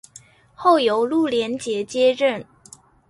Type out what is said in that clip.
后由陆联捷接任。